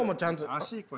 足これ。